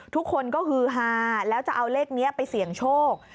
ทุกคนก็ฮือฮาแล้วจะเอาเลขนี้ไปเสี่ยงโชค